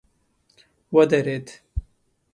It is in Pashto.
ودريد.